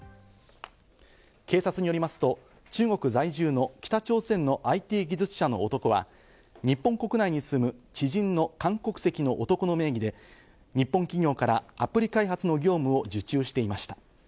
警察によりますと、中国在住の北朝鮮のＩＴ技術者の男が日本国内に住む知人の韓国籍の男の名義で日本企業からアプリ開発の業務を受注していました。